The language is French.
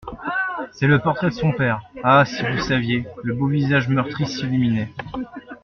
C'est le portrait de son père … Ah ! si vous saviez !…» Le beau visage meurtri s'illuminait.